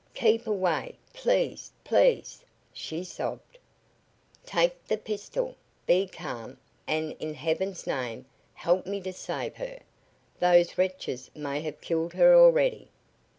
"Keep away! Please! Please!" she sobbed. "Take the pistol! Be calm, and in heaven's name help me to save her. Those wretches may have killed her already!"